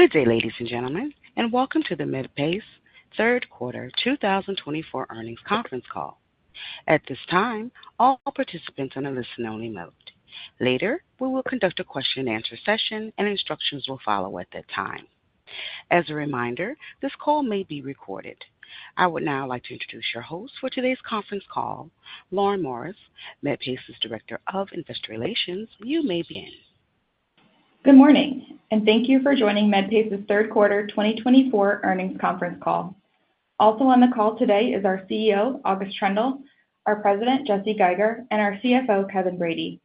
Good day, ladies and gentlemen, and welcome to the Medpace third quarter 2024 earnings conference call. At this time, all participants are in a listen-only mode. Later, we will conduct a question-and-answer session, and instructions will follow at that time. As a reminder, this call may be recorded. I would now like to introduce your host for today's conference call, Lauren Morris, Medpace's Director of Investor Relations. You may begin. Good morning, and thank you for joining Medpace's third quarter 2024 earnings conference call. Also on the call today is our CEO, August Troendle, our President, Jesse Geiger, and our CFO, Kevin Brady.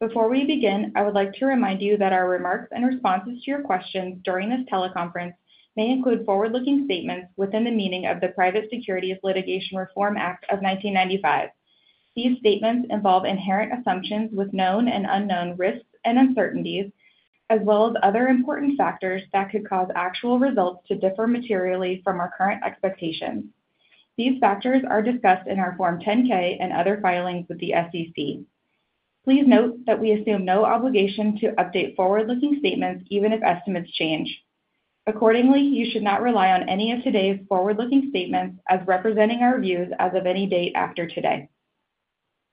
Before we begin, I would like to remind you that our remarks and responses to your questions during this teleconference may include forward-looking statements within the meaning of the Private Securities Litigation Reform Act of 1995. These statements involve inherent assumptions with known and unknown risks and uncertainties, as well as other important factors that could cause actual results to differ materially from our current expectations. These factors are discussed in our Form 10-K and other filings with the SEC. Please note that we assume no obligation to update forward-looking statements, even if estimates change. Accordingly, you should not rely on any of today's forward-looking statements as representing our views as of any date after today.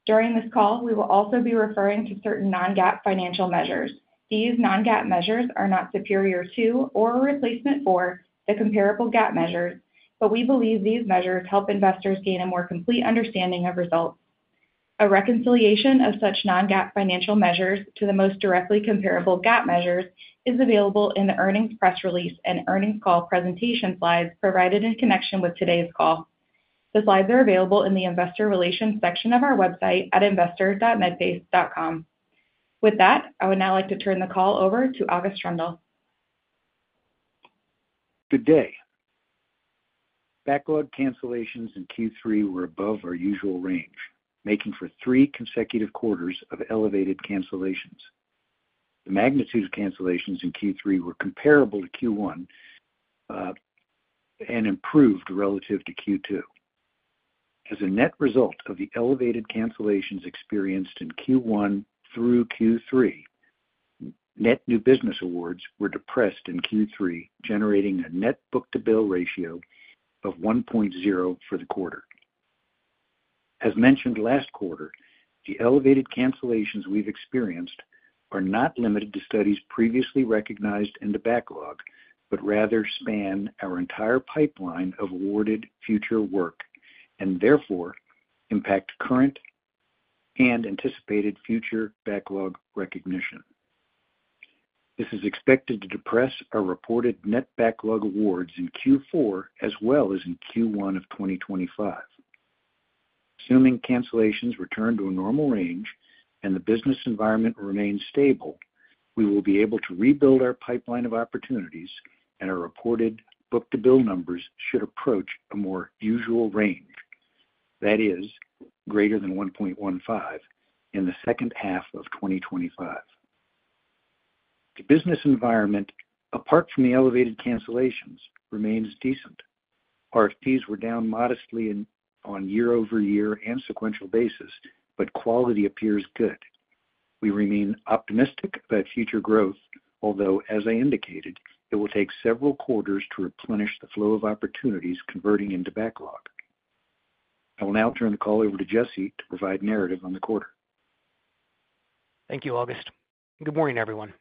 During this call, we will also be referring to certain non-GAAP financial measures. These non-GAAP measures are not superior to or a replacement for the comparable GAAP measures, but we believe these measures help investors gain a more complete understanding of results. A reconciliation of such non-GAAP financial measures to the most directly comparable GAAP measures is available in the earnings press release and earnings call presentation slides provided in connection with today's call. The slides are available in the Investor Relations section of our website at investor.medpace.com. With that, I would now like to turn the call over to August Troendle. Good day. Backlog cancellations in Q3 were above our usual range, making for three consecutive quarters of elevated cancellations. The magnitude of cancellations in Q3 were comparable to Q1, and improved relative to Q2. As a net result of the elevated cancellations experienced in Q1 through Q3, net new business awards were depressed in Q3, generating a net book-to-bill ratio of one point zero for the quarter. As mentioned last quarter, the elevated cancellations we've experienced are not limited to studies previously recognized in the backlog, but rather span our entire pipeline of awarded future work, and therefore impact current and anticipated future backlog recognition. This is expected to depress our reported net backlog awards in Q4 as well as in Q1 of 2025. Assuming cancellations return to a normal range and the business environment remains stable, we will be able to rebuild our pipeline of opportunities, and our reported book-to-bill numbers should approach a more usual range. That is, greater than 1.15, in the second half of 2025. The business environment, apart from the elevated cancellations, remains decent. RFPs were down modestly on year-over-year and sequential basis, but quality appears good. We remain optimistic about future growth, although, as I indicated, it will take several quarters to replenish the flow of opportunities converting into backlog. I will now turn the call over to Jesse to provide narrative on the quarter. Thank you, August. Good morning, everyone.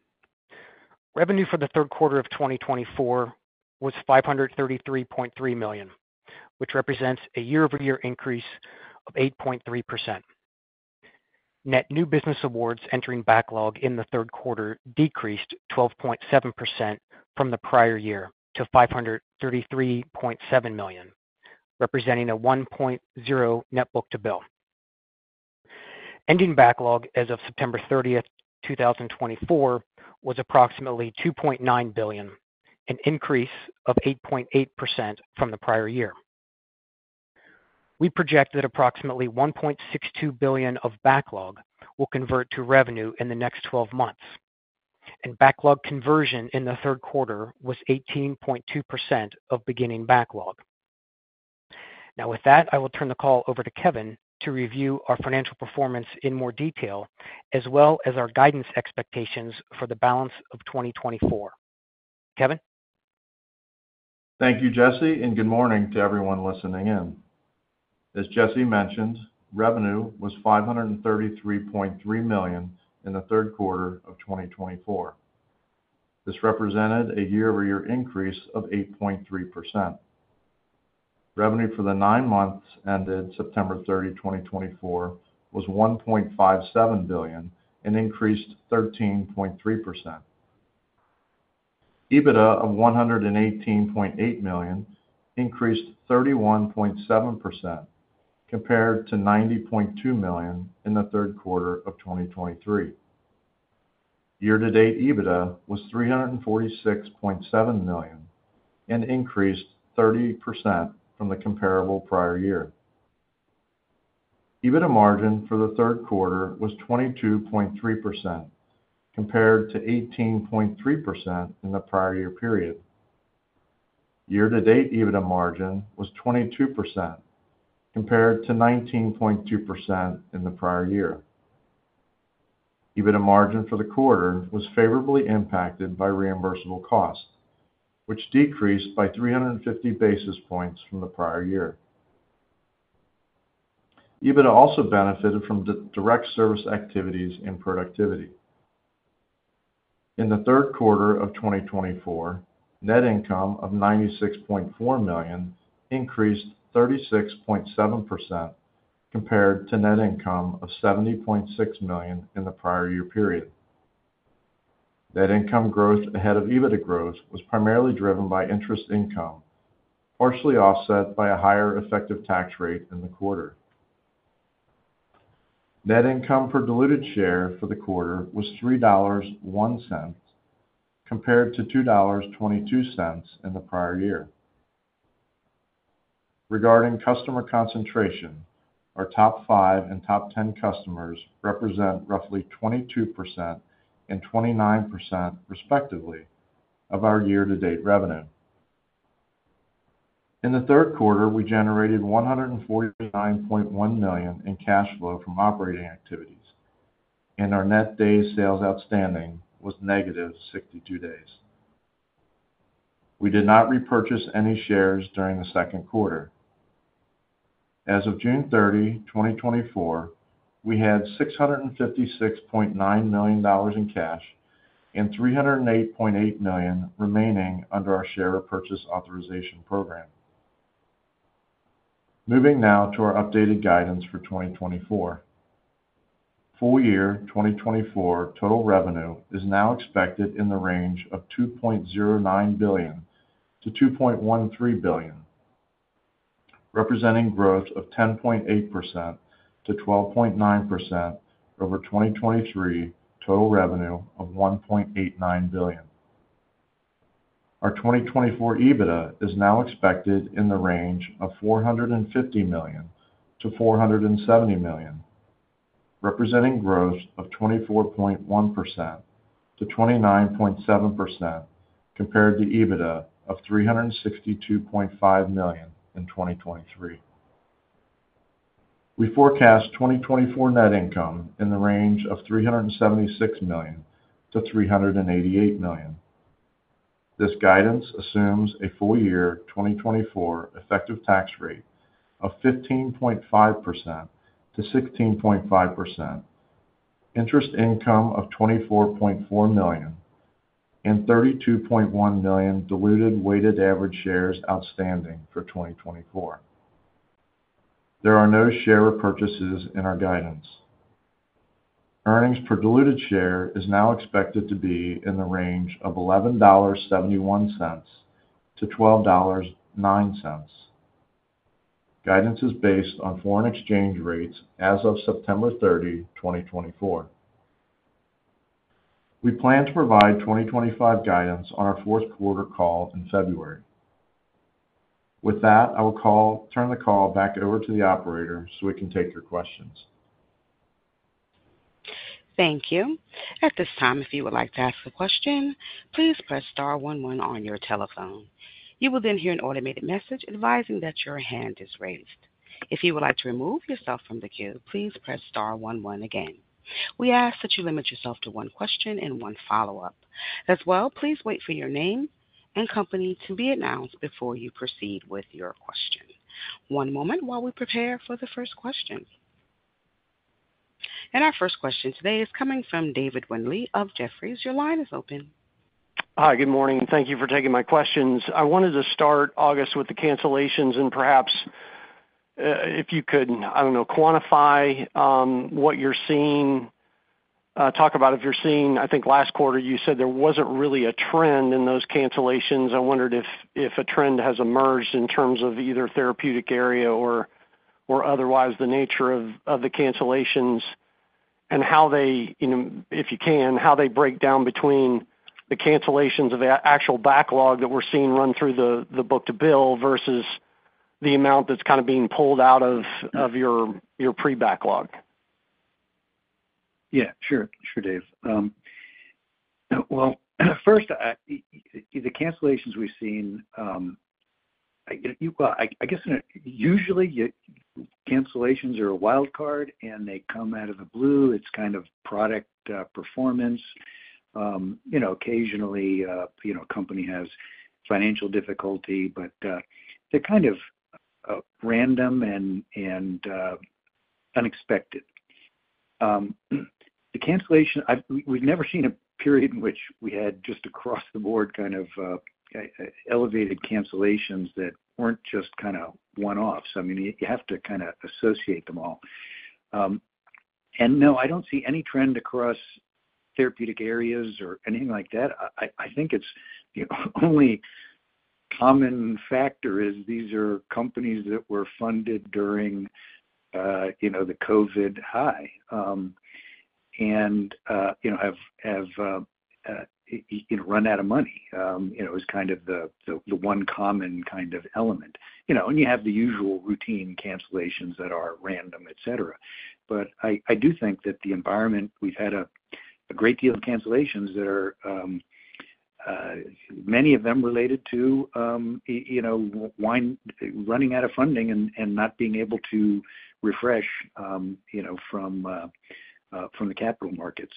Revenue for the third quarter of 2024 was $533.3 million, which represents a year-over-year increase of 8.3%. Net new business awards entering backlog in the third quarter decreased 12.7% from the prior year to $533.7 million, representing a 1.0 net book-to-bill. Ending backlog as of September thirtieth, 2024, was approximately $2.9 billion, an increase of 8.8% from the prior year. We project that approximately $1.62 billion of backlog will convert to revenue in the next twelve months, and backlog conversion in the third quarter was 18.2% of beginning backlog. Now, with that, I will turn the call over to Kevin to review our financial performance in more detail, as well as our guidance expectations for the balance of 2024. Kevin? Thank you, Jesse, and good morning to everyone listening in. As Jesse mentioned, revenue was $533.3 million in the third quarter of 2024. This represented a year-over-year increase of 8.3%. Revenue for the nine months ended September 30, 2024, was $1.57 billion, an increase 13.3%. EBITDA of $118.8 million increased 31.7% compared to $90.2 million in the third quarter of 2023. Year-to-date EBITDA was $346.7 million, an increase 30% from the comparable prior year. EBITDA margin for the third quarter was 22.3%, compared to 18.3% in the prior year period. Year-to-date EBITDA margin was 22%, compared to 19.2% in the prior year. EBITDA margin for the quarter was favorably impacted by reimbursable costs, which decreased by 350 basis points from the prior year. EBITDA also benefited from direct service activities and productivity. In the third quarter of 2024, net income of $96.4 million increased 36.7% compared to net income of $70.6 million in the prior year period. Net income growth ahead of EBITDA growth was primarily driven by interest income, partially offset by a higher effective tax rate in the quarter. Net income per diluted share for the quarter was $3.01, compared to $2.22 in the prior year. Regarding customer concentration, our top five and top 10 customers represent roughly 22% and 29%, respectively, of our year-to-date revenue. In the third quarter, we generated $149.1 million in cash flow from operating activities, and our net days sales outstanding was -62 days. We did not repurchase any shares during the second quarter. As of June 30, 2024, we had $656.9 million in cash and $308.8 million remaining under our share repurchase authorization program. Moving now to our updated guidance for 2024. Full year 2024 total revenue is now expected in the range of $2.09 billion-$2.13 billion, representing growth of 10.8%-12.9% over 2023 total revenue of $1.89 billion. Our 2024 EBITDA is now expected in the range of $450 million-$470 million, representing growth of 24.1%-29.7% compared to EBITDA of $362.5 million in 2023. We forecast 2024 net income in the range of $376 million-$388 million. This guidance assumes a full year 2024 effective tax rate of 15.5%-16.5%, interest income of $24.4 million, and 32.1 million diluted weighted average shares outstanding for 2024. There are no share repurchases in our guidance. Earnings per diluted share is now expected to be in the range of $11.71-$12.09. Guidance is based on foreign exchange rates as of September 30, 2024. We plan to provide 2025 guidance on our fourth quarter call in February. With that, I will turn the call back over to the operator, so we can take your questions. Thank you. At this time, if you would like to ask a question, please press star one one on your telephone. You will then hear an automated message advising that your hand is raised. If you would like to remove yourself from the queue, please press star one one again. We ask that you limit yourself to one question and one follow-up. As well, please wait for your name and company to be announced before you proceed with your question. One moment while we prepare for the first question, and our first question today is coming from David Windley of Jefferies. Your line is open. Hi, good morning, and thank you for taking my questions. I wanted to start, August, with the cancellations and perhaps if you could, I don't know, quantify what you're seeing, talk about if you're seeing. I think last quarter you said there wasn't really a trend in those cancellations. I wondered if a trend has emerged in terms of either therapeutic area or otherwise the nature of the cancellations, and how they, you know, if you can. How they break down between the cancellations of the actual backlog that we're seeing run through the book-to-bill, versus the amount that's kind of being pulled out of your pre-backlog. Yeah, sure. Sure, Dave. Well, first, the cancellations we've seen, I guess usually cancellations are a wild card, and they come out of the blue. It's kind of product performance. You know, occasionally, you know, a company has financial difficulty, but they're kind of random and unexpected. We've never seen a period in which we had just across the board kind of elevated cancellations that weren't just kind of one-offs. I mean, you have to kind of associate them all. And no, I don't see any trend across therapeutic areas or anything like that. I think it's the only common factor is these are companies that were funded during, you know, the COVID high, and, you know, have you know run out of money. You know, is kind of the one common kind of element. You know, and you have the usual routine cancellations that are random, et cetera. But I do think that the environment we've had a- A great deal of cancellations that are, many of them related to, you know, wind- running out of funding and, and not being able to refresh, you know, from, from the capital markets.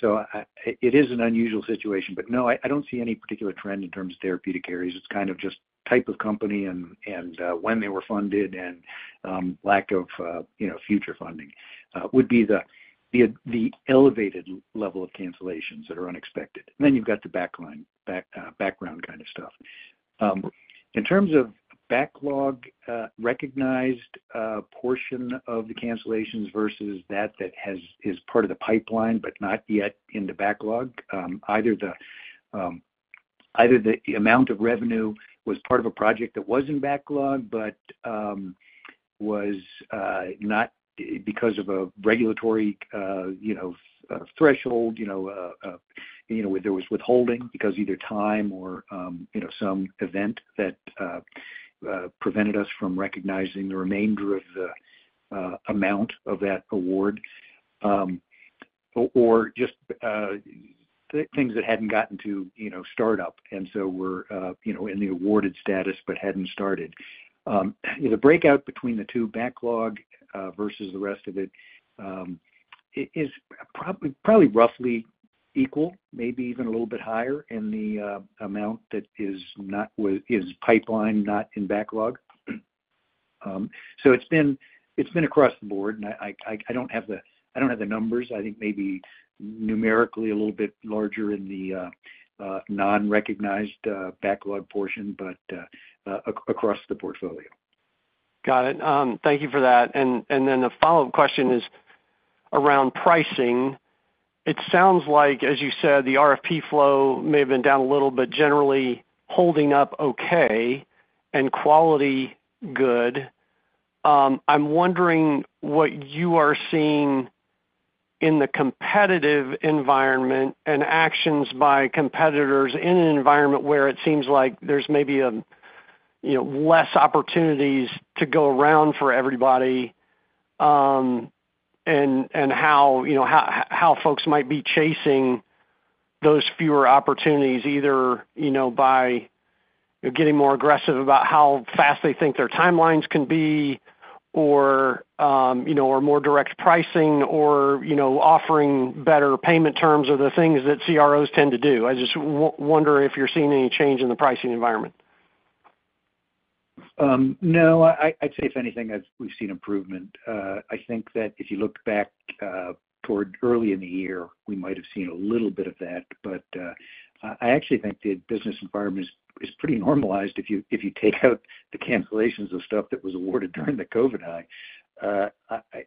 So it is an unusual situation. But no, I don't see any particular trend in terms of therapeutic areas. It's kind of just type of company and, and, when they were funded and, lack of, you know, future funding, would be the, the elevated level of cancellations that are unexpected. Then you've got the backlog in the background kind of stuff. In terms of backlog, recognized portion of the cancellations versus that that is part of the pipeline, but not yet in the backlog, either the amount of revenue was part of a project that was in backlog, but was not because of a regulatory, you know, threshold, you know, where there was withholding because either time or, you know, some event that prevented us from recognizing the remainder of the amount of that award. Or just things that hadn't gotten to, you know, start up, and so were, you know, in the awarded status but hadn't started. The breakout between the two, backlog, versus the rest of it, is probably roughly equal, maybe even a little bit higher in the amount that is not pipelined, not in backlog. So it's been across the board, and I don't have the numbers. I think maybe numerically a little bit larger in the non-recognized backlog portion, but across the portfolio. Got it. Thank you for that. And then the follow-up question is around pricing. It sounds like, as you said, the RFP flow may have been down a little, but generally holding up okay and quality, good. I'm wondering what you are seeing in the competitive environment and actions by competitors in an environment where it seems like there's maybe a, you know, less opportunities to go around for everybody, and how, you know, how folks might be chasing those fewer opportunities. Either, you know, by getting more aggressive about how fast they think their timelines can be, or, you know, or more direct pricing or, you know, offering better payment terms or the things that CROs tend to do. I just wonder if you're seeing any change in the pricing environment. No, I'd say if anything, we've seen improvement. I think that if you look back toward early in the year, we might have seen a little bit of that, but I actually think the business environment is pretty normalized if you take out the cancellations of stuff that was awarded during the COVID height.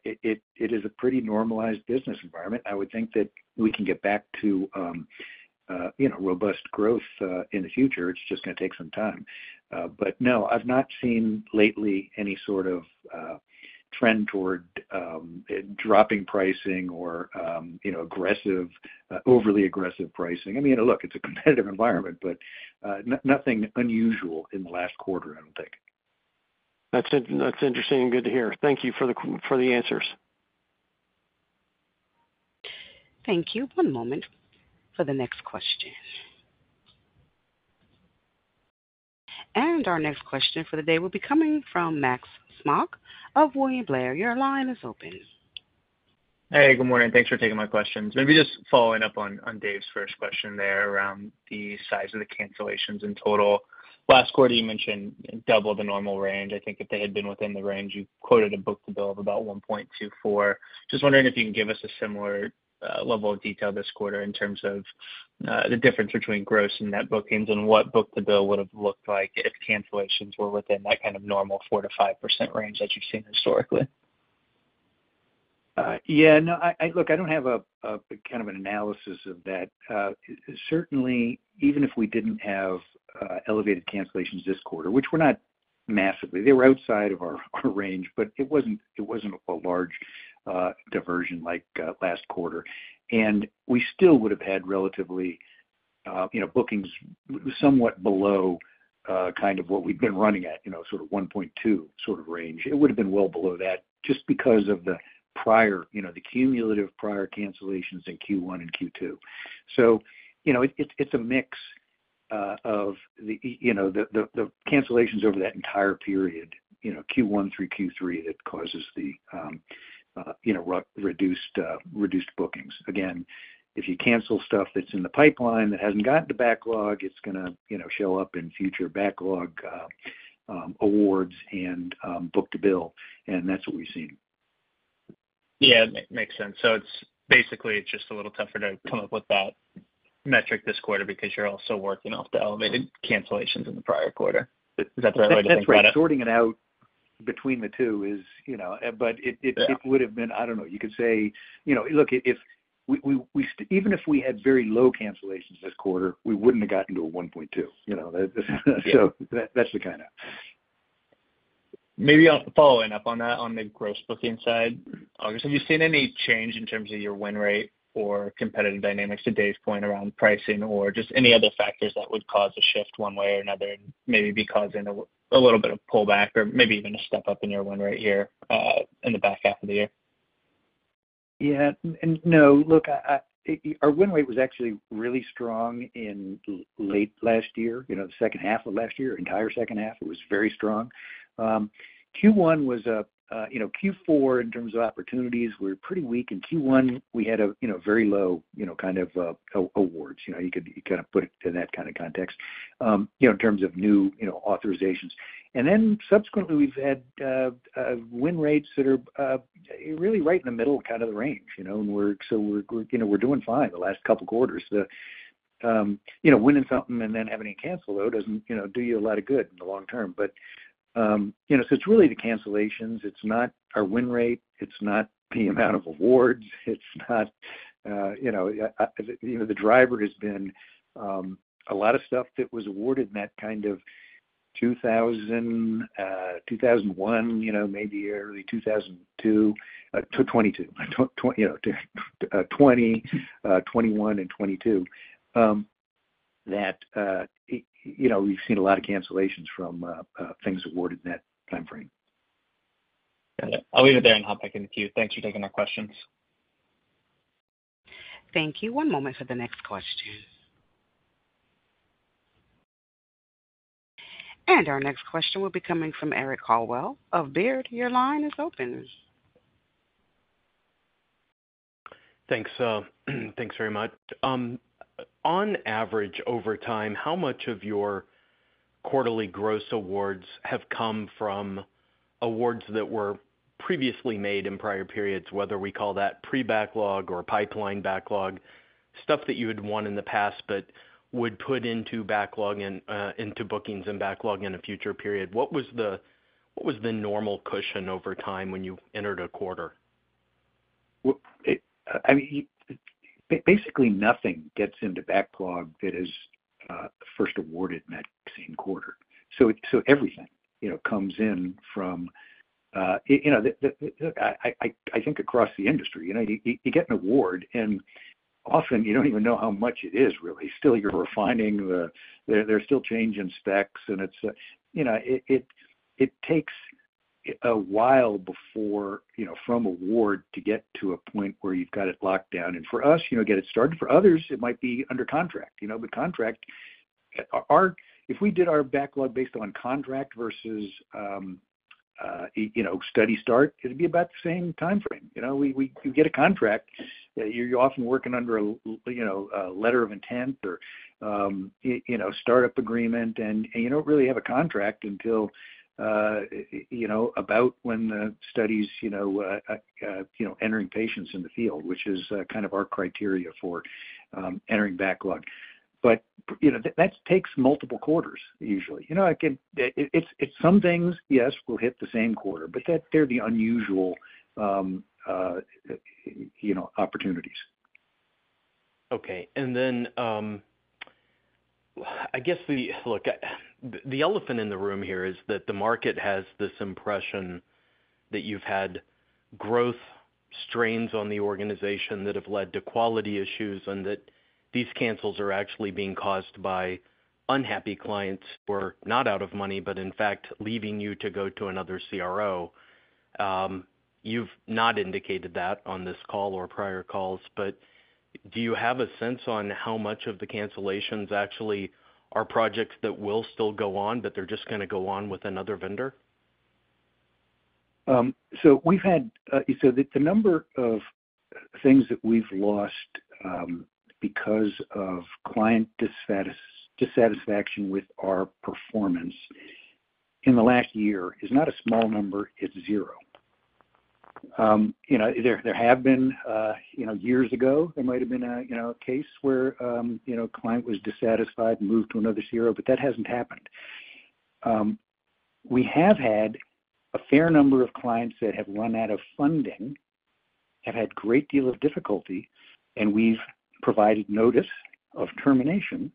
It is a pretty normalized business environment. I would think that we can get back to you know, robust growth in the future. It's just gonna take some time. But no, I've not seen lately any sort of trend toward dropping pricing or you know, aggressive, overly aggressive pricing. I mean, look, it's a competitive environment, but nothing unusual in the last quarter, I don't think. That's interesting and good to hear. Thank you for the answers. Thank you. One moment for the next question, and our next question for the day will be coming from Max Smock of William Blair. Your line is open. Hey, good morning. Thanks for taking my questions. Maybe just following up on Dave's first question there around the size of the cancellations in total. Last quarter, you mentioned double the normal range. I think if they had been within the range, you quoted a book-to-bill of about 1.24. Just wondering if you can give us a similar level of detail this quarter in terms of the difference between gross and net bookings and what book-to-bill would have looked like if cancellations were within that kind of normal 4%-5% range that you've seen historically? Yeah, no. Look, I don't have a kind of an analysis of that. Certainly, even if we didn't have elevated cancellations this quarter, which were not massively, they were outside of our range, but it wasn't a large diversion like last quarter. And we still would have had relatively, you know, bookings somewhat below kind of what we've been running at, you know, sort of one point two sort of range. It would have been well below that just because of the prior, you know, the cumulative prior cancellations in Q1 and Q2. So, you know, it, it's a mix of the, you know, the cancellations over that entire period, you know, Q1 through Q3, that causes the, you know, reduced bookings. Again, if you cancel stuff that's in the pipeline that hasn't gotten to backlog, it's gonna, you know, show up in future backlog awards and book to bill, and that's what we've seen. Yeah, makes sense. So it's basically, it's just a little tougher to come up with that metric this quarter because you're also working off the elevated cancellations in the prior quarter. Is that the right way to think about it? That's right. Sorting it out between the two is, you know, but it- Yeah It would have been, I don't know, you could say, you know, look, even if we had very low cancellations this quarter, we wouldn't have gotten to a 1.2, you know? Yeah. So that's the kind of... Maybe, following up on that, on the gross booking side, August, have you seen any change in terms of your win rate or competitive dynamics to Dave's point around pricing or just any other factors that would cause a shift one way or another, and maybe be causing a little bit of pullback or maybe even a step up in your win rate here, in the back half of the year? Yeah, and no, look, I, our win rate was actually really strong in late last year, you know, the second half of last year, entire second half, it was very strong. Q1 was, you know, Q4, in terms of opportunities, were pretty weak. In Q1, we had, you know, very low, you know, kind of, awards. You know, you could kind of put it in that kind of context, you know, in terms of new, you know, authorizations. And then subsequently, we've had win rates that are really right in the middle of kind of the range, you know. And we're, so we're, you know, we're doing fine the last couple quarters. The, you know, winning something and then having it canceled, though, doesn't, you know, do you a lot of good in the long term. But, you know, so it's really the cancellations. It's not our win rate, it's not the amount of awards, it's not, you know, you know, the driver has been a lot of stuff that was awarded in that kind of 2020, 2021, you know, maybe early 2022, 2022, you know, 2021 and 2022. That, you know, we've seen a lot of cancellations from things awarded in that timeframe. Got it. I'll leave it there and hop back in the queue. Thanks for taking our questions. Thank you. One moment for the next question. And our next question will be coming from Eric Coldwell of Baird. Your line is open. Thanks, thanks very much. On average, over time, how much of your quarterly gross awards have come from awards that were previously made in prior periods, whether we call that pre-backlog or pipeline backlog, stuff that you had won in the past, but would put into backlog and into bookings and backlog in a future period? What was the normal cushion over time when you entered a quarter? I mean, basically nothing gets into backlog that is first awarded in that same quarter, so everything, you know, comes in from... You know, I think across the industry, you know, you get an award, and often you don't even know how much it is, really. Still, you're refining. There's still change in specs, and it's, you know, it takes a while before, you know, from award to get to a point where you've got it locked down, and for us, you know, get it started. For others, it might be under contract, you know, but if we did our backlog based on contract versus, you know, study start, it'd be about the same timeframe. You know, we you get a contract, you're often working under a you know, a letter of intent or, you know, startup agreement, and you don't really have a contract until you know, about when the studies you know, you know, entering patients in the field, which is kind of our criteria for entering backlog. But you know, that takes multiple quarters, usually. You know, it's some things, yes, will hit the same quarter, but they're the unusual you know, opportunities. Okay. And then, I guess. Look, the elephant in the room here is that the market has this impression that you've had growth strains on the organization that have led to quality issues, and that these cancels are actually being caused by unhappy clients who are not out of money, but in fact, leaving you to go to another CRO. You've not indicated that on this call or prior calls, but do you have a sense on how much of the cancellations actually are projects that will still go on, but they're just gonna go on with another vendor? So we've had the number of things that we've lost because of client dissatisfaction with our performance in the last year is not a small number, it's zero. You know, there have been, you know, years ago, there might have been a, you know, a case where, you know, a client was dissatisfied and moved to another CRO, but that hasn't happened. We have had a fair number of clients that have run out of funding, have had a great deal of difficulty, and we've provided notice of termination,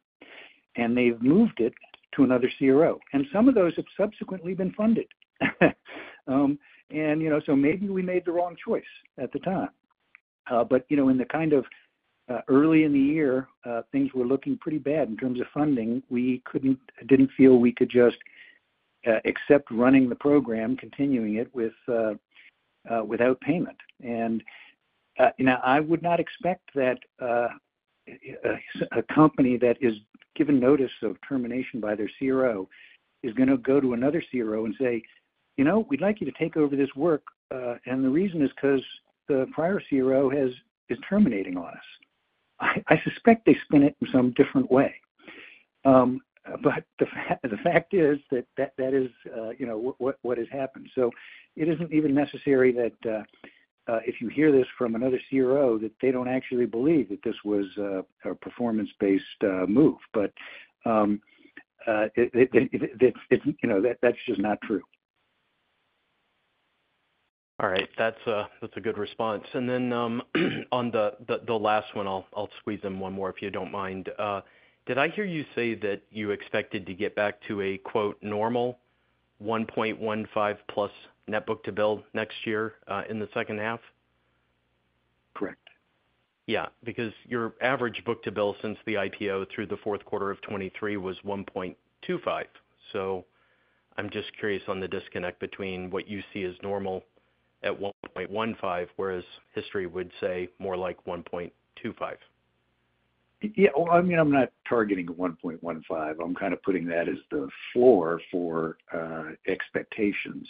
and they've moved it to another CRO, and some of those have subsequently been funded, and you know, so maybe we made the wrong choice at the time. But, you know, in the kind of early in the year, things were looking pretty bad in terms of funding. We didn't feel we could just accept running the program, continuing it without payment. And, you know, I would not expect that a company that is given notice of termination by their CRO is gonna go to another CRO and say: You know, we'd like you to take over this work, and the reason is 'cause the prior CRO is terminating us. I suspect they spin it in some different way. But the fact is that is, you know, what has happened. So it isn't even necessary that if you hear this from another CRO, that they don't actually believe that this was a performance-based move, but, you know, that's just not true. All right. That's a good response. And then, on the last one, I'll squeeze in one more, if you don't mind. Did I hear you say that you expected to get back to a, quote, normal 1.15 plus net book-to-bill next year in the second half? Correct. Yeah, because your average book-to-bill since the IPO through the fourth quarter of 2023 was 1.25. So I'm just curious on the disconnect between what you see as normal at 1.15, whereas history would say more like 1.25. Yeah, well, I mean, I'm not targeting 1.15. I'm kind of putting that as the floor for expectations,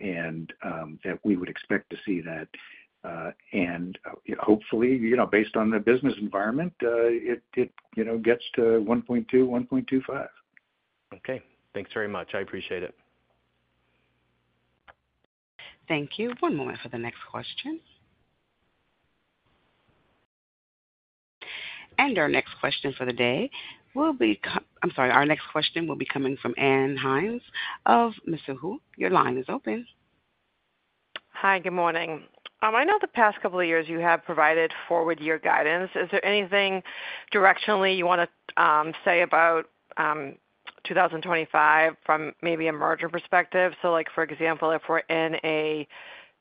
and that we would expect to see that. And hopefully, you know, based on the business environment, it, you know, gets to 1.2, 1.25. Okay, thanks very much. I appreciate it. Thank you. One moment for the next question. And our next question for the day will be. I'm sorry, our next question will be coming from Ann Hynes of Mizuho. Your line is open. Hi, good morning. I know the past couple of years you have provided forward year guidance. Is there anything directionally you wanna say about 2025 from maybe a margin perspective? So like, for example, if we're in a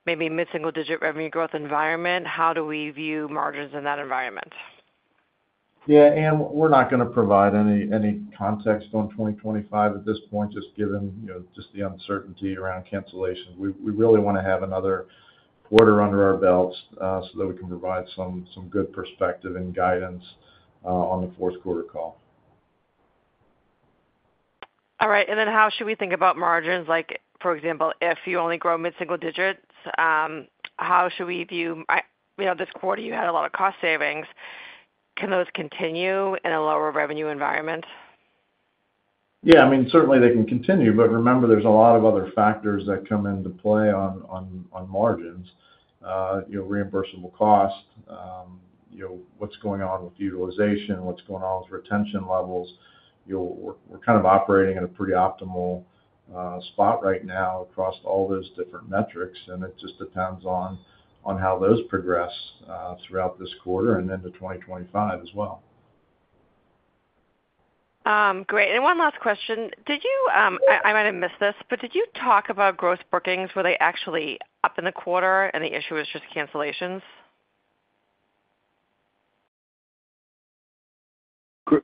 maybe mid-single digit revenue growth environment, how do we view margins in that environment? Yeah, Ann, we're not gonna provide any context on 2025 at this point, just given, you know, just the uncertainty around cancellations. We really wanna have another quarter under our belts, so that we can provide some good perspective and guidance on the fourth quarter call. All right. And then how should we think about margins? Like, for example, if you only grow mid-single digits, how should we view... you know, this quarter, you had a lot of cost savings. Can those continue in a lower revenue environment? Yeah, I mean, certainly they can continue, but remember, there's a lot of other factors that come into play on margins. You know, reimbursable costs, you know, what's going on with utilization, what's going on with retention levels. You know, we're kind of operating at a pretty optimal spot right now across all those different metrics, and it just depends on how those progress throughout this quarter and into 2025 as well. Great. And one last question. Did you, I might have missed this, but did you talk about gross bookings? Were they actually up in the quarter and the issue was just cancellations?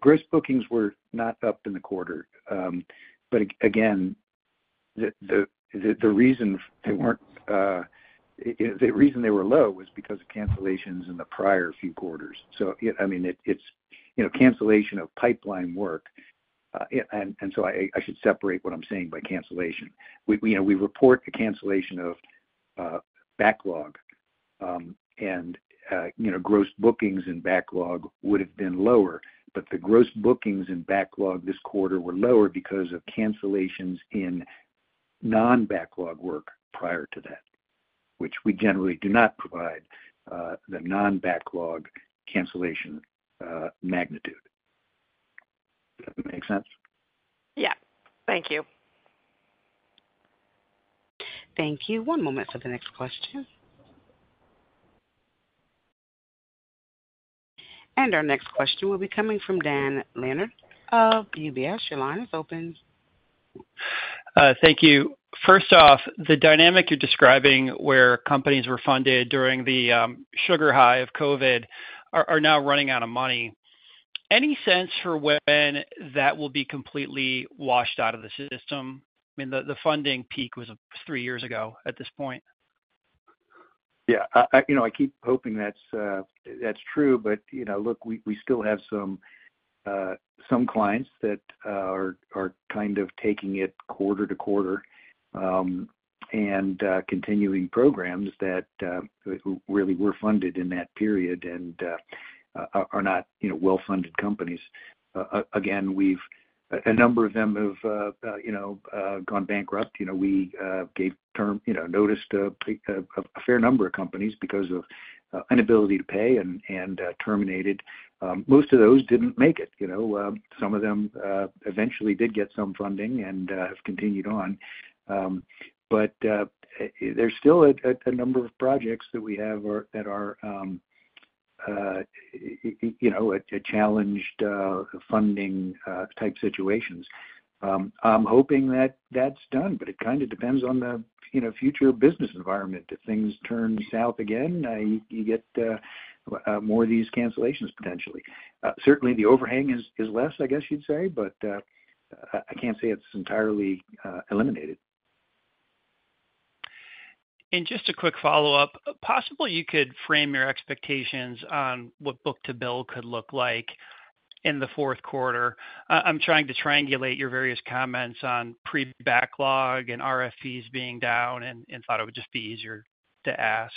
Gross bookings were not up in the quarter, but again, the reason they weren't, the reason they were low was because of cancellations in the prior few quarters, so yeah, I mean, it's, you know, cancellation of pipeline work, and so I should separate what I'm saying by cancellation. We, you know, we report the cancellation of backlog, and you know, gross bookings and backlog would have been lower, but the gross bookings and backlog this quarter were lower because of cancellations in non-backlog work prior to that, which we generally do not provide the non-backlog cancellation magnitude. Does that make sense? Yeah. Thank you. Thank you. One moment for the next question. And our next question will be coming from Dan Leonard of UBS. Your line is open. Thank you. First off, the dynamic you're describing where companies were funded during the sugar high of COVID are now running out of money. Any sense for when that will be completely washed out of the system? I mean, the funding peak was three years ago at this point. Yeah, you know, I keep hoping that's true, but, you know, look, we still have some clients that are kind of taking it quarter to quarter, and continuing programs that really were funded in that period and are not, you know, well-funded companies. Again, a number of them have, you know, gone bankrupt. You know, we gave termination notice to a fair number of companies because of inability to pay and terminated. Most of those didn't make it, you know. Some of them eventually did get some funding and have continued on. But there's still a number of projects that we have or that are, you know, a challenged funding type situations. I'm hoping that that's done, but it kind of depends on the, you know, future business environment. If things turn south again, you get more of these cancellations potentially. Certainly the overhang is less, I guess you'd say, but I can't say it's entirely eliminated. Just a quick follow-up. Possibly you could frame your expectations on what book-to-bill could look like in the fourth quarter. I'm trying to triangulate your various comments on pre-backlog and RFPs being down and thought it would just be easier to ask.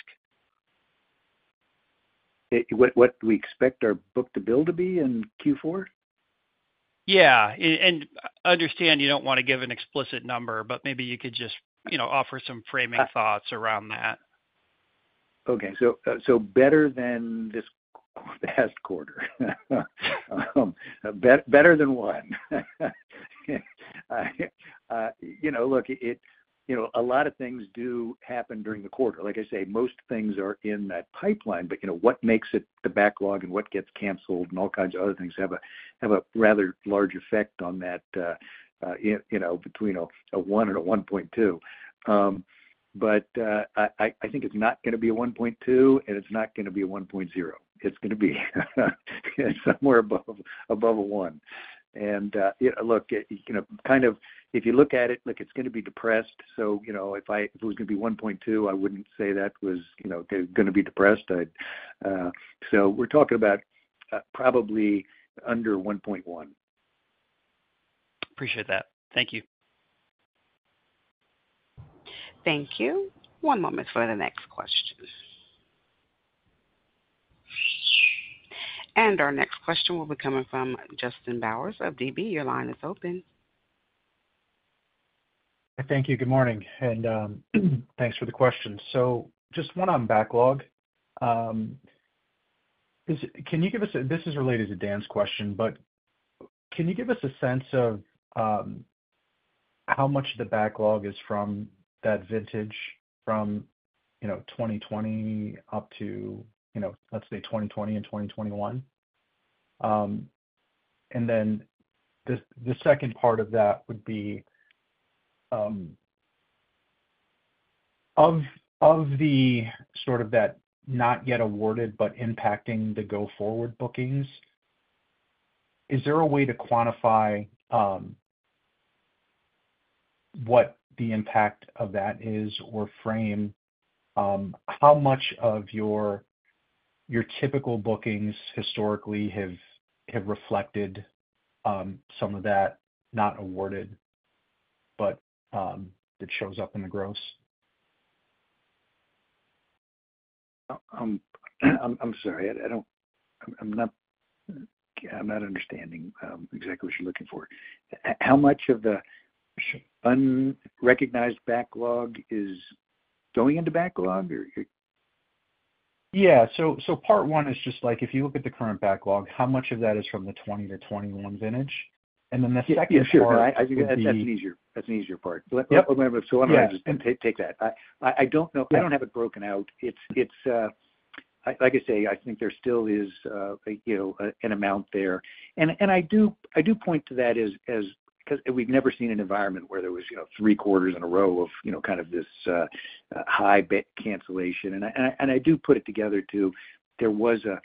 What we expect our book-to-bill to be in Q4? Yeah, and understand you don't want to give an explicit number, but maybe you could just, you know, offer some framing thoughts around that. Okay, so better than this past quarter. Better than one. You know, look, it, you know, a lot of things do happen during the quarter. Like I say, most things are in that pipeline, but, you know, what makes it the backlog and what gets canceled and all kinds of other things have a rather large effect on that, you know, between a 1 and a 1.2. But, I think it's not gonna be a 1.2, and it's not gonna be a 1.0. It's gonna be somewhere above a one, and look, you know, kind of if you look at it, it's gonna be depressed. So, you know, if it was gonna be 1.2, I wouldn't say that was, you know, gonna be depressed. So we're talking about probably under one point one. Appreciate that. Thank you. Thank you. One moment for the next question and our next question will be coming from Justin Bowers of DB. Your line is open. Thank you. Good morning, and, thanks for the question. So just one on backlog. This is related to Dan's question, but can you give us a sense of, how much of the backlog is from that vintage from, you know, 2020 up to, you know, let's say, 2020 and 2021? And then the second part of that would be, of the sort of that not yet awarded but impacting the go-forward bookings, is there a way to quantify, what the impact of that is, or frame, how much of your typical bookings historically have reflected, some of that not yet awarded, but it shows up in the gross? I'm sorry. I'm not understanding exactly what you're looking for. How much of the unrecognized backlog is going into backlog, or you- Yeah. So, part one is just like, if you look at the current backlog, how much of that is from the 2020 to 2021 vintage? And then the second part- Yeah, sure. I think that's an easier part. Yep. I'm gonna just take that. I don't know. Yeah. I don't have it broken out. It's, like I say, I think there still is, you know, an amount there. And I do point to that as, 'cause we've never seen an environment where there was, you know, three quarters in a row of, you know, kind of this, high-bid cancellation. And I do put it together that there was a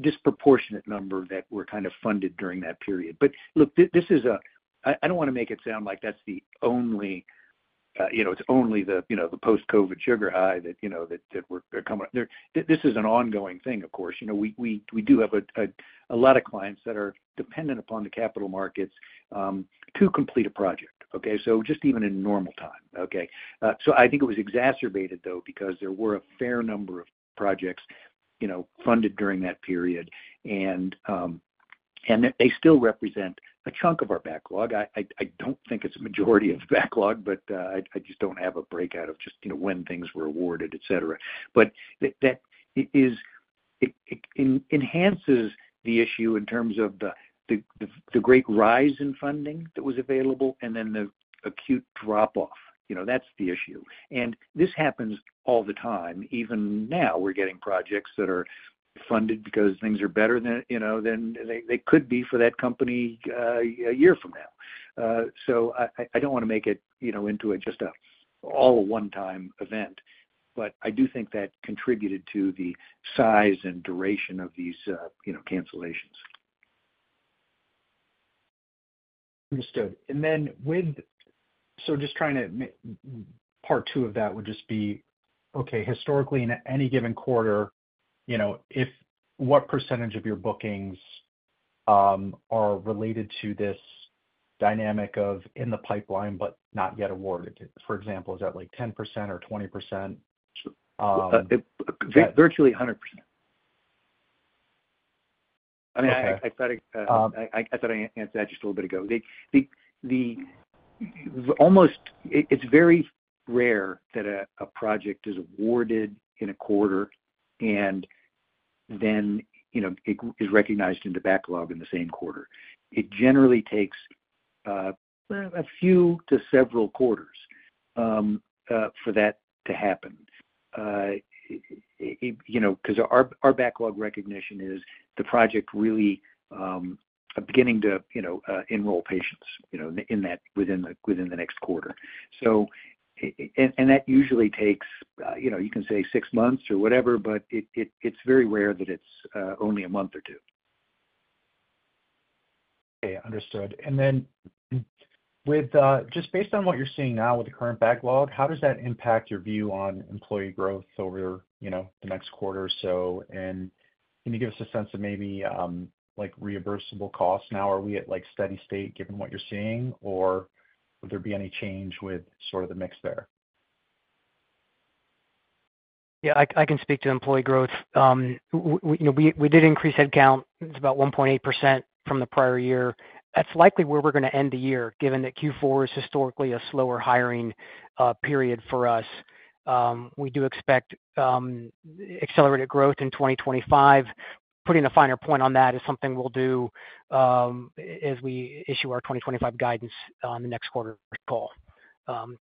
disproportionate number that were kind of funded during that period. But look, this is a... I don't wanna make it sound like that's the only, you know, it's only the, you know, the post-COVID sugar high that, you know, that we're, they're coming up. This is an ongoing thing, of course. You know, we do have a lot of clients that are dependent upon the capital markets to complete a project, okay? So just even in normal time, okay. So I think it was exacerbated, though, because there were a fair number of projects, you know, funded during that period, and they still represent a chunk of our backlog. I don't think it's a majority of the backlog, but I just don't have a breakout of just, you know, when things were awarded, et cetera. But that is, it enhances the issue in terms of the great rise in funding that was available and then the acute drop-off. You know, that's the issue. And this happens all the time. Even now, we're getting projects that are funded because things are better than, you know, than they could be for that company, a year from now. So I don't wanna make it, you know, into just a one-time event, but I do think that contributed to the size and duration of these, you know, cancellations. Understood. And then so just trying to part two of that would just be, okay, historically, in any given quarter, you know, what percentage of your bookings are related to this dynamic of in the pipeline, but not yet awarded? For example, is that, like, 10% or 20%? Virtually 100%. Okay. I mean, I thought I answered that just a little bit ago. Almost, it's very rare that a project is awarded in a quarter and then, you know, it is recognized in the backlog in the same quarter. It generally takes a few to several quarters for that to happen. It, you know, 'cause our backlog recognition is the project really beginning to, you know, enroll patients, you know, in that, within the next quarter. So, and that usually takes, you know, you can say six months or whatever, but it, it's very rare that it's only a month or two. Okay, understood. And then with just based on what you're seeing now with the current backlog, how does that impact your view on employee growth over, you know, the next quarter or so? And can you give us a sense of maybe like reimbursable costs now? Are we at like steady state, given what you're seeing, or would there be any change with sort of the mix there? Yeah, I can speak to employee growth. You know, we did increase headcount. It's about 1.8% from the prior year. That's likely where we're gonna end the year, given that Q4 is historically a slower hiring period for us. We do expect accelerated growth in 2025. Putting a finer point on that is something we'll do as we issue our 2025 guidance on the next quarter call.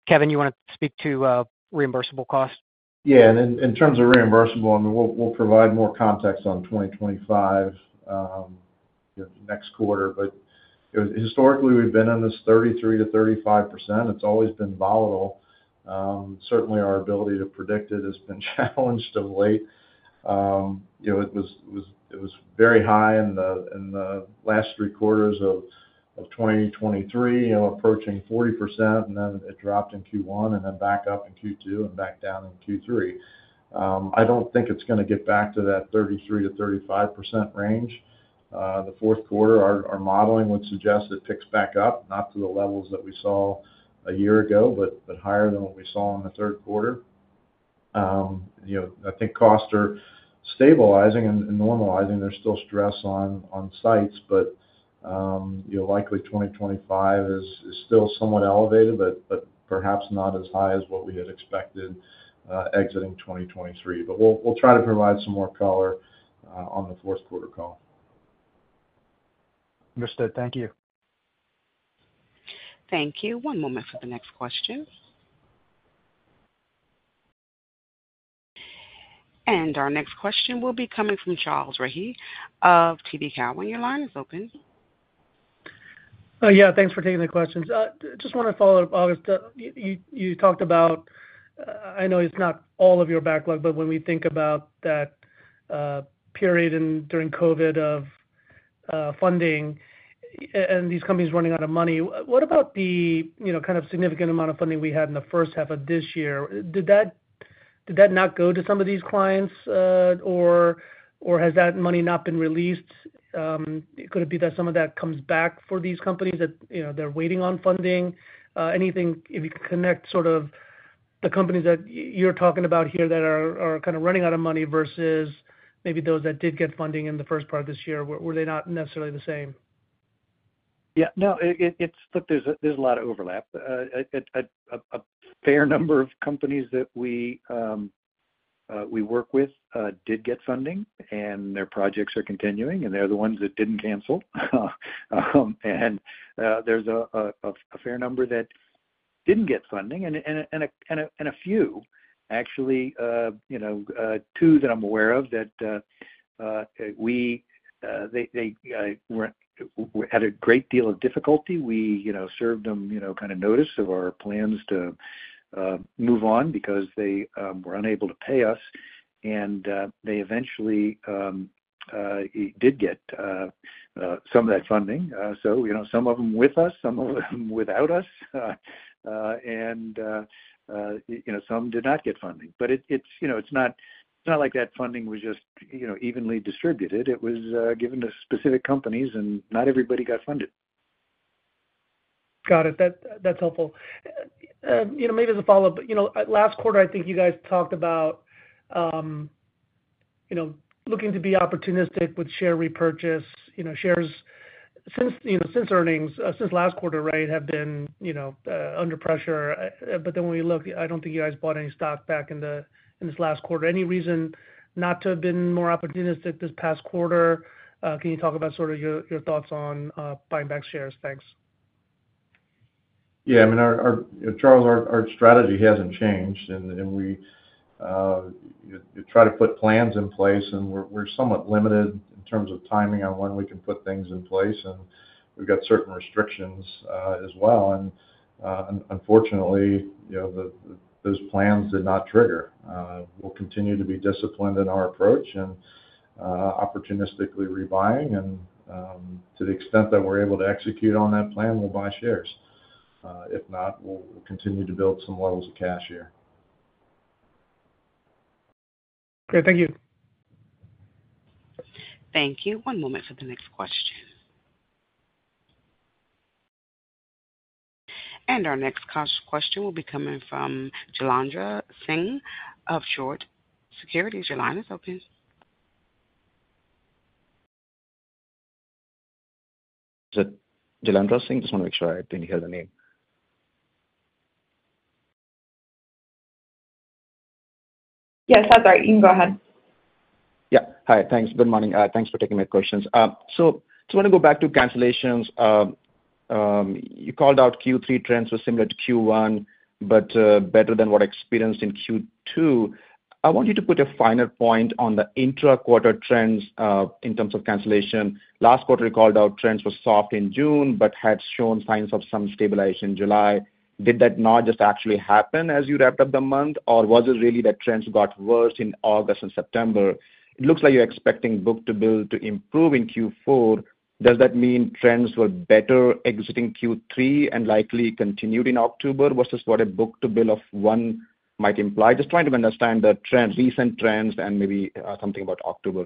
Kevin, you wanna speak to reimbursable costs? Yeah, and in terms of reimbursable, I mean, we'll provide more context on 2025 next quarter. But historically, we've been in this 33%-35%. It's always been volatile. Certainly our ability to predict it has been challenged of late. You know, it was very high in the last three quarters of 2023, you know, approaching 40%, and then it dropped in Q1 and then back up in Q2 and back down in Q3. I don't think it's gonna get back to that 33%-35% range. The fourth quarter, our modeling would suggest it ticks back up, not to the levels that we saw a year ago, but higher than what we saw in the third quarter. You know, I think costs are stabilizing and normalizing. There's still stress on sites, but you know, likely 2025 is still somewhat elevated, but perhaps not as high as what we had expected exiting 2023. But we'll try to provide some more color on the fourth quarter call. Understood. Thank you. Thank you. One moment for the next question. And our next question will be coming from Charles Rhyee of TD Cowen. Your line is open. Yeah, thanks for taking the questions. Just wanna follow up, August. You talked about... I know it's not all of your backlog, but when we think about that period during COVID of funding and these companies running out of money, what about the, you know, kind of significant amount of funding we had in the first half of this year? Did that not go to some of these clients, or has that money not been released? Could it be that some of that comes back for these companies that, you know, they're waiting on funding? Anything, if you could connect sort of the companies that you're talking about here that are kind of running out of money versus maybe those that did get funding in the first part of this year. Were they not necessarily the same? Yeah. No, it's. Look, there's a lot of overlap. A fair number of companies that we work with did get funding, and their projects are continuing, and they're the ones that didn't cancel. And there's a fair number that didn't get funding, and a few actually, you know, two that I'm aware of, that we, they had a great deal of difficulty. We, you know, served them, you know, kind of notice of our plans to move on because they were unable to pay us, and they eventually did get some of that funding. So, you know, some of them with us, some of them without us, and, you know, some did not get funding. But it's, you know, it's not like that funding was just, you know, evenly distributed. It was given to specific companies, and not everybody got funded. Got it. That, that's helpful. You know, maybe as a follow-up, but, you know, last quarter, I think you guys talked about, you know, looking to be opportunistic with share repurchase, you know, shares. Since, you know, since earnings, since last quarter, right, have been, you know, under pressure. But then when you look, I don't think you guys bought any stock back in this last quarter. Any reason not to have been more opportunistic this past quarter? Can you talk about sort of your thoughts on, buying back shares? Thanks. Yeah. I mean, our strategy hasn't changed, Charles, and we try to put plans in place, and we're somewhat limited in terms of timing on when we can put things in place, and we've got certain restrictions as well. Unfortunately, you know, those plans did not trigger. We'll continue to be disciplined in our approach and opportunistically rebuying, and to the extent that we're able to execute on that plan, we'll buy shares. If not, we'll continue to build some levels of cash here. Okay, thank you. Thank you. One moment for the next question, and our next question will be coming from Jailendra Singh of Truist Securities. Your line is open. Is it Jailendra Singh? Just wanna make sure I didn't hear the name. Yes, that's right. You can go ahead. Yeah. Hi, thanks. Good morning. Thanks for taking my questions. So I wanna go back to cancellations. You called out Q3 trends were similar to Q1, but better than what experienced in Q2. I want you to put a finer point on the intra-quarter trends in terms of cancellation. Last quarter, you called out trends were soft in June, but had shown signs of some stabilization in July. Did that not just actually happen as you wrapped up the month, or was it really that trends got worse in August and September? It looks like you're expecting book-to-bill to improve in Q4. Does that mean trends were better exiting Q3 and likely continued in October, versus what a book-to-bill of one might imply? Just trying to understand the trends, recent trends and maybe something about October.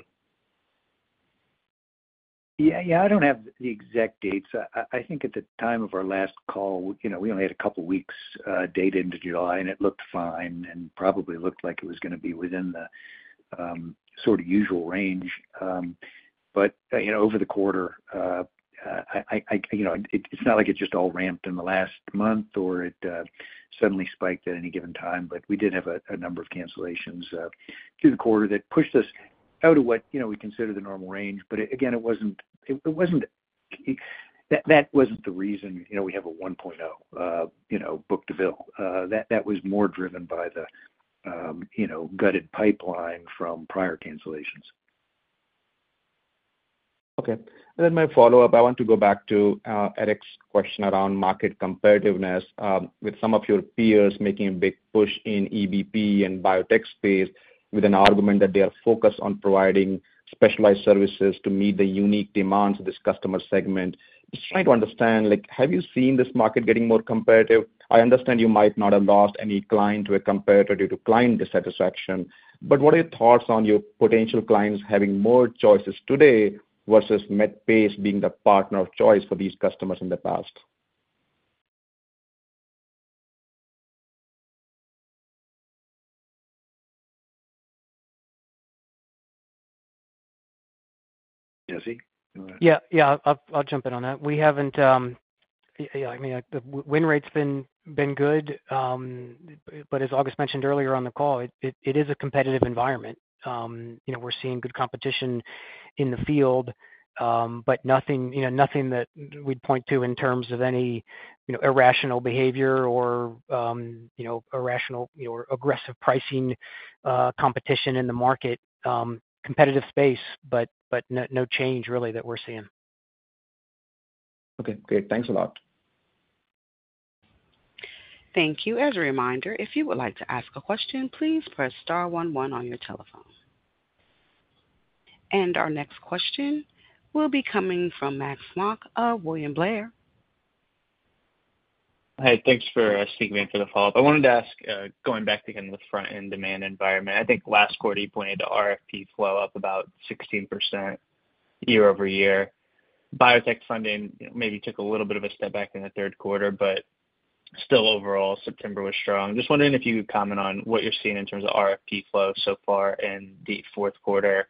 Yeah, yeah, I don't have the exact dates. I think at the time of our last call, you know, we only had a couple weeks data into July, and it looked fine and probably looked like it was gonna be within the sort of usual range. But you know, over the quarter, you know, it's not like it just all ramped in the last month or it suddenly spiked at any given time, but we did have a number of cancellations through the quarter that pushed us out of what you know, we consider the normal range. But again, it wasn't. That wasn't the reason, you know, we have a 1.0 book-to-bill. That was more driven by the you know, gutted pipeline from prior cancellations. Okay. And then my follow-up, I want to go back to, Eric's question around market competitiveness, with some of your peers making a big push in EBP and biotech space, with an argument that they are focused on providing specialized services to meet the unique demands of this customer segment. Just trying to understand, like, have you seen this market getting more competitive? I understand you might not have lost any client to a competitor due to client dissatisfaction, but what are your thoughts on your potential clients having more choices today versus Medpace being the partner of choice for these customers in the past? Jesse? Yeah, yeah, I'll jump in on that. We haven't, yeah, I mean, the win rate's been good, but as August mentioned earlier on the call, it is a competitive environment. You know, we're seeing good competition in the field, but nothing, you know, nothing that we'd point to in terms of any, you know, irrational behavior or, you know, irrational or aggressive pricing competition in the market. Competitive space, but no change really that we're seeing. Okay, great. Thanks a lot. Thank you. As a reminder, if you would like to ask a question, please press star one one on your telephone. And our next question will be coming from Max Smock of William Blair. Hi, thanks for speaking and for the follow-up. I wanted to ask, going back again to the front-end demand environment. I think last quarter you pointed to RFP flow up about 16% year-over-year. Biotech funding maybe took a little bit of a step back in the third quarter, but still overall, September was strong. Just wondering if you could comment on what you're seeing in terms of RFP flow so far in the fourth quarter,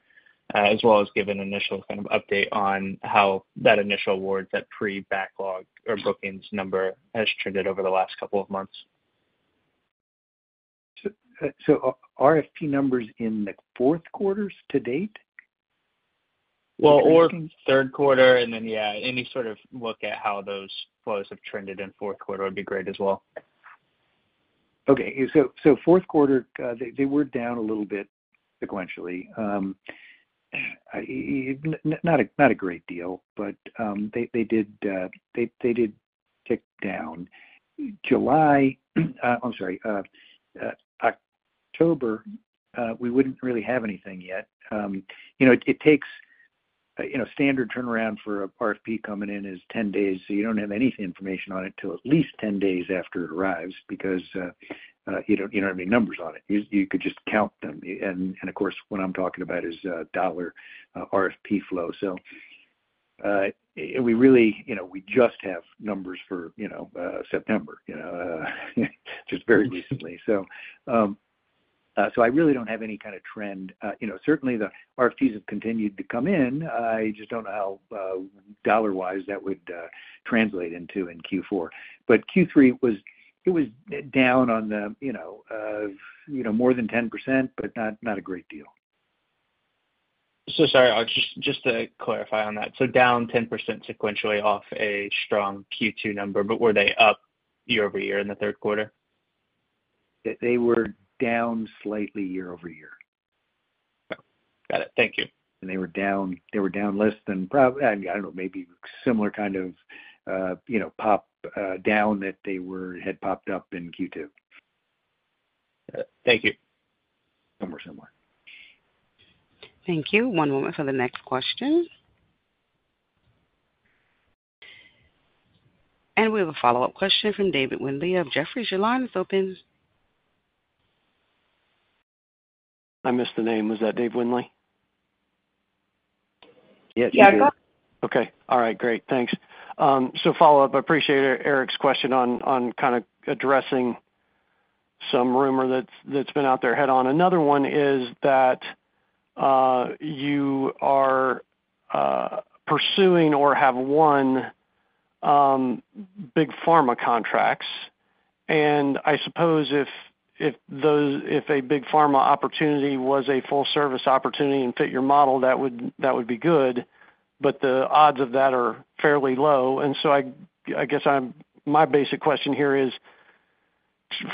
as well as give an initial kind of update on how that initial award, that pre-backlog or bookings number, has trended over the last couple of months. RFP numbers in the fourth quarter to date? Well, or third quarter, and then, yeah, any sort of look at how those flows have trended in fourth quarter would be great as well. Okay, so fourth quarter, they were down a little bit sequentially. Not a great deal, but they did tick down. October, we wouldn't really have anything yet. You know, it takes, you know, standard turnaround for a RFP coming in is ten days, so you don't have any information on it until at least ten days after it arrives, because you don't have any numbers on it. You could just count them. And of course, what I'm talking about is dollar RFP flow. So, we really, you know, we just have numbers for, you know, September, you know, just very recently. So, I really don't have any kind of trend. You know, certainly the RFPs have continued to come in. I just don't know how dollar-wise that would translate into in Q4. But Q3 was. It was down on the, you know, you know, more than 10%, but not a great deal. So sorry, I'll just to clarify on that. So down 10% sequentially off a strong Q2 number, but were they up year-over-year in the third quarter? They were down slightly year-over-year. Got it. Thank you. And they were down, they were down less than I don't know, maybe similar kind of, you know, pop down that they were had popped up in Q2. Thank you. Somewhere, somewhere. Thank you. One moment for the next question. We have a follow-up question from David Windley of Jefferies. Your line is open. I missed the name. Was that David Windley? Yeah. Okay. All right, great. Thanks. So follow-up, I appreciate Eric's question on kind of addressing some rumor that's been out there head-on. Another one is that you are pursuing or have won big pharma contracts. And I suppose if those, if a big pharma opportunity was a full service opportunity and fit your model, that would be good, but the odds of that are fairly low. And so I guess my basic question here is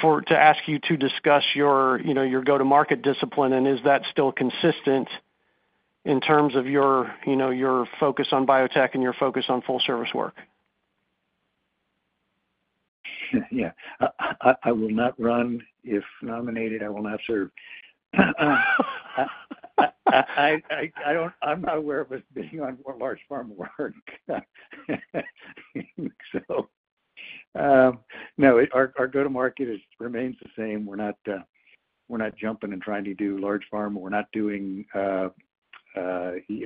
to ask you to discuss your, you know, your go-to-market discipline, and is that still consistent in terms of your, you know, your focus on biotech and your focus on full service work? Yeah, I will not run. If nominated, I will not serve. I don't... I'm not aware of us being on large pharma work. So, no, our go-to-market remains the same. We're not jumping and trying to do large pharma. We're not doing, you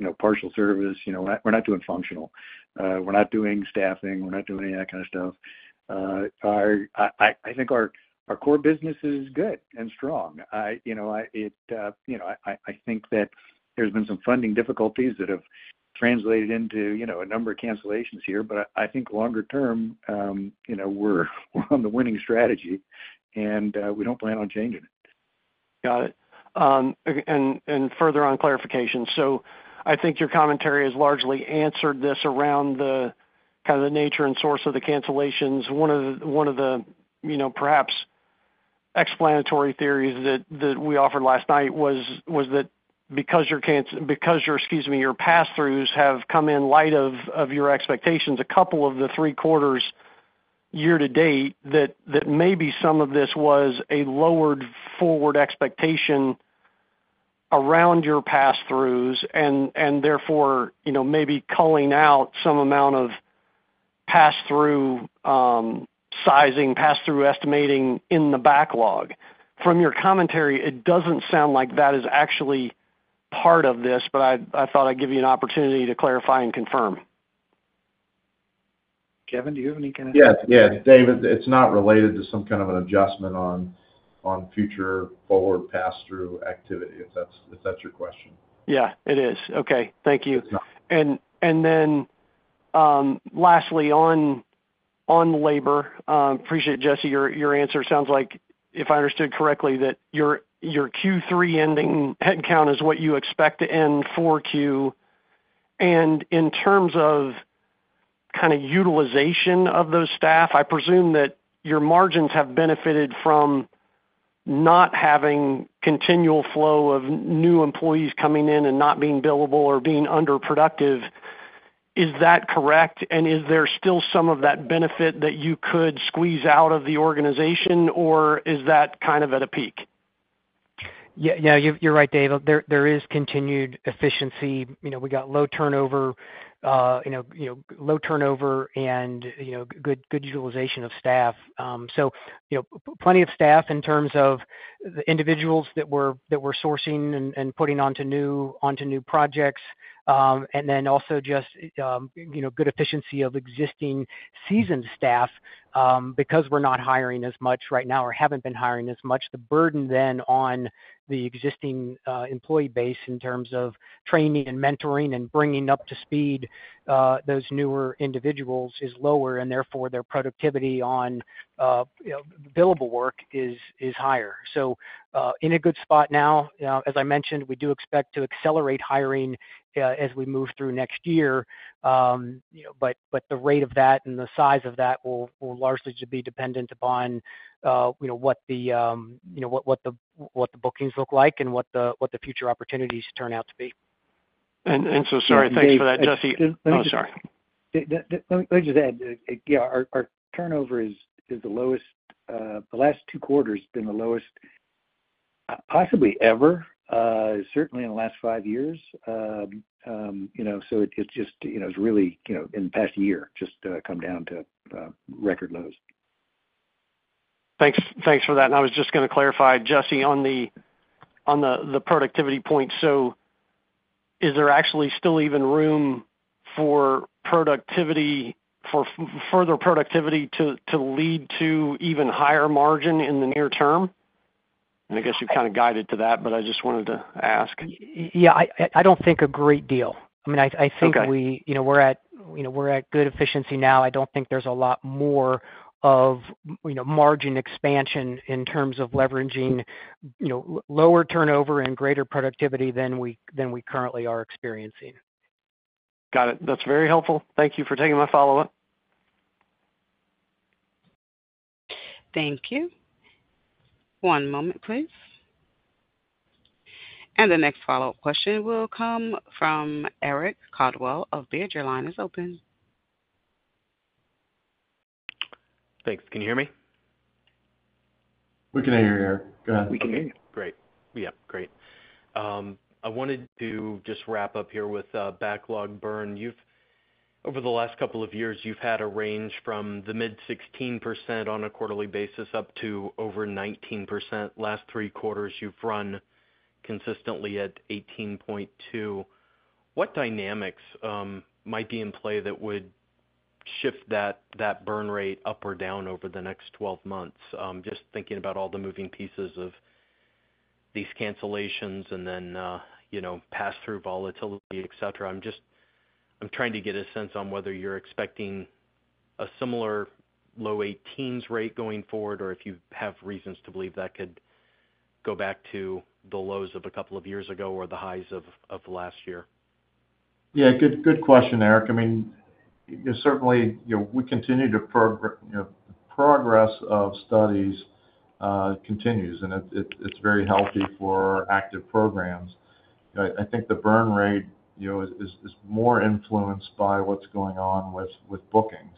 know, partial service. You know, we're not doing functional. We're not doing staffing. We're not doing any of that kind of stuff. Our core business is good and strong. I, you know, think that there's been some funding difficulties that have translated into, you know, a number of cancellations here, but I think longer term, you know, we're on the winning strategy, and we don't plan on changing it. Got it. And further on clarification, so I think your commentary has largely answered this around the kind of the nature and source of the cancellations. One of the, you know, perhaps explanatory theories that we offered last night was that because your pass-throughs have come in light of your expectations, a couple of the three quarters year to date, that maybe some of this was a lowered forward expectation around your pass-throughs, and therefore, you know, maybe culling out some amount of pass-through sizing, pass-through estimating in the backlog. From your commentary, it doesn't sound like that is actually part of this, but I thought I'd give you an opportunity to clarify and confirm. Kevin, do you have any kind of Yes, yes, David, it's not related to some kind of an adjustment on, on future forward pass-through activity, if that's, if that's your question. Yeah, it is. Okay. Thank you. Yeah. And then, lastly, on labor, appreciate, Jesse, your answer. Sounds like, if I understood correctly, that your Q3 ending headcount is what you expect to end 4Q. And in terms of kind of utilization of those staff, I presume that your margins have benefited from not having continual flow of new employees coming in and not being billable or being underproductive. Is that correct? And is there still some of that benefit that you could squeeze out of the organization, or is that kind of at a peak? Yeah, yeah, you're right, David. There is continued efficiency. You know, we got low turnover, you know, good utilization of staff. So, you know, plenty of staff in terms of the individuals that we're sourcing and putting onto new projects. And then also just, you know, good efficiency of existing seasoned staff, because we're not hiring as much right now or haven't been hiring as much. The burden then on the existing employee base in terms of training and mentoring and bringing up to speed those newer individuals is lower, and therefore, their productivity on, you know, billable work is higher. So, in a good spot now. You know, as I mentioned, we do expect to accelerate hiring as we move through next year. You know, but the rate of that and the size of that will largely just be dependent upon you know, what the bookings look like and what the future opportunities turn out to be. Sorry, thanks for that, Jesse. Oh, sorry. Let me just add, yeah, our turnover is the lowest, the last two quarters been the lowest, possibly ever, certainly in the last five years. You know, so it, it's just, you know, it's really, you know, in the past year, just, come down to record lows. Thanks, thanks for that. And I was just gonna clarify, Jesse, on the productivity point. So is there actually still even room for further productivity to lead to even higher margin in the near term? And I guess you kind of guided to that, but I just wanted to ask. Yeah, I don't think a great deal. I mean, I think- Okay... we, you know, we're at, you know, we're at good efficiency now. I don't think there's a lot more of, you know, margin expansion in terms of leveraging, you know, lower turnover and greater productivity than we currently are experiencing. Got it. That's very helpful. Thank you for taking my follow-up. Thank you. One moment, please. And the next follow-up question will come from Eric Coldwell of Baird. Your line is open. Thanks. Can you hear me? We can hear you, Eric. Go ahead. We can hear you. Great. Yeah, great. I wanted to just wrap up here with backlog burn. You've over the last couple of years, you've had a range from the mid-16% on a quarterly basis, up to over 19%. Last three quarters, you've run consistently at 18.2%. What dynamics might be in play that would shift that burn rate up or down over the next 12 months? Just thinking about all the moving pieces of these cancellations and then, you know, pass-through volatility, et cetera. I'm just trying to get a sense on whether you're expecting a similar low 18s rate going forward, or if you have reasons to believe that could go back to the lows of a couple of years ago or the highs of last year. Yeah, good question, Eric. I mean, you certainly, you know, we continue to progress of studies continues, and it's very healthy for active programs. I think the burn rate, you know, is more influenced by what's going on with bookings.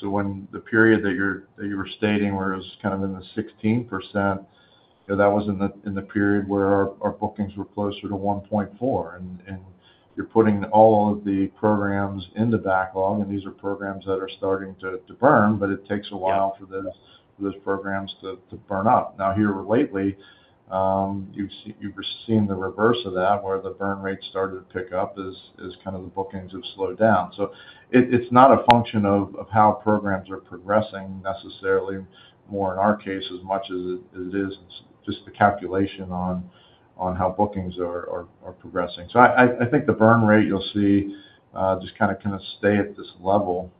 So when the period that you were stating, where it was kind of in the 16%, you know, that was in the period where our bookings were closer to 1.4. And you're putting all of the programs in the backlog, and these are programs that are starting to burn, but it takes a while. Yeah For those programs to burn up. Now, here lately, you've seen the reverse of that, where the burn rate started to pick up as kind of the bookings have slowed down. So it's not a function of how programs are progressing necessarily more in our case, as much as it is just the calculation on how bookings are progressing. So I think the burn rate, you'll see, just kinda stay at this level,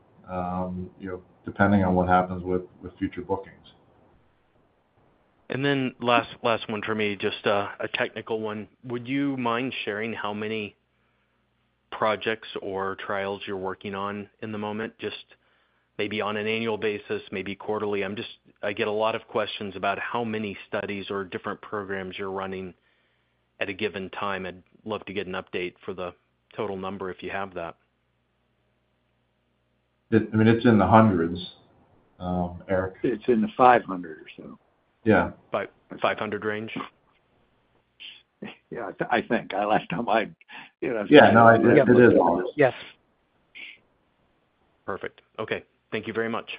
you know, depending on what happens with future bookings. And then last, last one for me, just, a technical one. Would you mind sharing how many projects or trials you're working on in the moment? Just maybe on an annual basis, maybe quarterly? I'm just, I get a lot of questions about how many studies or different programs you're running at a given time. I'd love to get an update for the total number, if you have that. I mean, it's in the hundreds, Eric. It's in the five hundreds or so. Yeah. Five, five hundred range? Yeah, I think. Last time I, you know- Yeah, no, it is. Yes. Perfect. Okay. Thank you very much.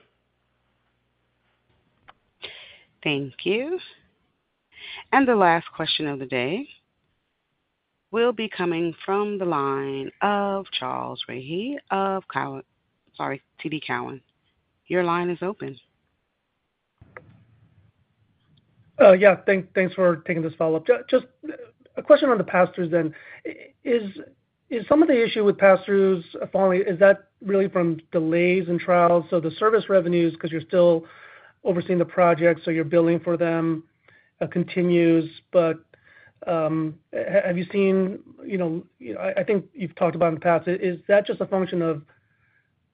Thank you. And the last question of the day will be coming from the line of Charles Rhyee of TD Cowen. Your line is open. Yeah, thanks for taking this follow-up. Just a question on the pass-throughs then. Is some of the issue with pass-throughs falling, is that really from delays in trials? So the service revenues, because you're still overseeing the project, so you're billing for them, continues, but, have you seen. You know, I think you've talked about in the past, is that just a function of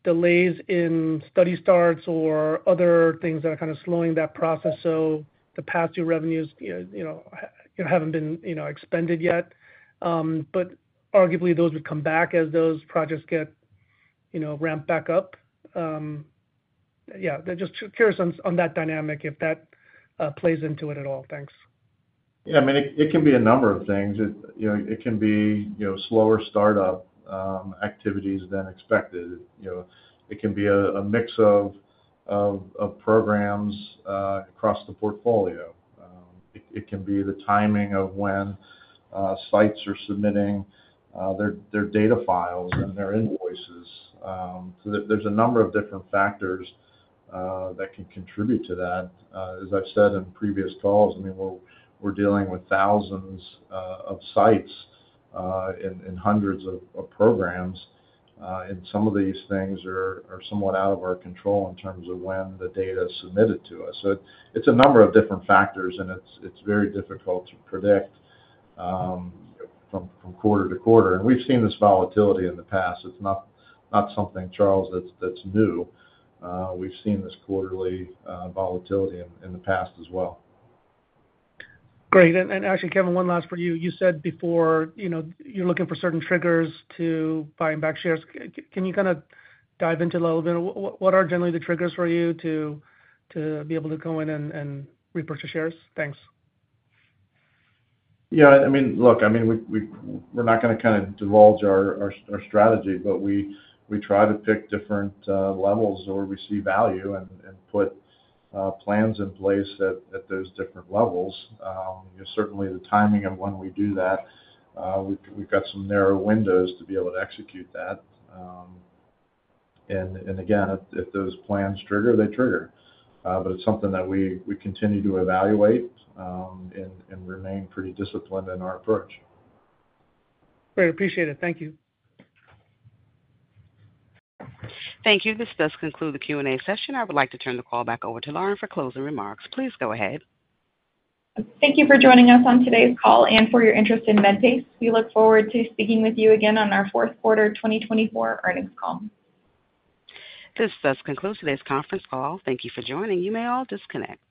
delays in study starts or other things that are kind of slowing that process, so the pass-through revenues, you know, haven't been, you know, expended yet, but arguably those would come back as those projects get, you know, ramped back up? Yeah, just curious on that dynamic, if that plays into it at all. Thanks. Yeah, I mean, it can be a number of things. You know, it can be slower startup activities than expected. You know, it can be a mix of programs across the portfolio. It can be the timing of when sites are submitting their data files and their invoices. So there's a number of different factors that can contribute to that. As I've said in previous calls, I mean, we're dealing with thousands of sites and hundreds of programs, and some of these things are somewhat out of our control in terms of when the data is submitted to us. So it's a number of different factors, and it's very difficult to predict from quarter to quarter. We've seen this volatility in the past. It's not something, Charles, that's new. We've seen this quarterly volatility in the past as well. Great. And actually, Kevin, one last for you. You said before, you know, you're looking for certain triggers to buying back shares. Can you kind of dive into a little bit? What are generally the triggers for you to be able to go in and repurchase shares? Thanks. Yeah, I mean, look, I mean, we're not gonna kind of divulge our strategy, but we try to pick different levels where we see value and put plans in place at those different levels. Certainly the timing of when we do that, we've got some narrow windows to be able to execute that. And again, if those plans trigger, they trigger. But it's something that we continue to evaluate, and remain pretty disciplined in our approach. Great. Appreciate it. Thank you. Thank you. This does conclude the Q&A session. I would like to turn the call back over to Lauren for closing remarks. Please go ahead. Thank you for joining us on today's call and for your interest in Medpace. We look forward to speaking with you again on our fourth quarter 2024 earnings call. This does conclude today's conference call. Thank you for joining. You may all disconnect.